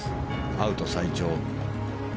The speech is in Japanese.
アウト最長。